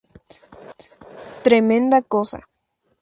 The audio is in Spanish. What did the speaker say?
Tremenda cosa!